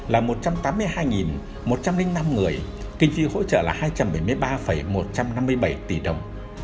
là một trăm tám mươi hai một trăm linh năm người kinh phí hỗ trợ là hai trăm bảy mươi ba một trăm năm mươi bảy tỷ đồng